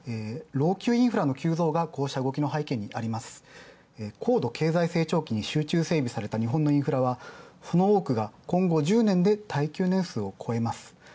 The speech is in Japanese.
老朽インフラの急増がこうした動きの背景に高度経済成長期に集中整備された日本のインフラは、今後１０年で耐久年数を超えます。